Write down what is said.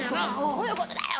「どういうことだよ！」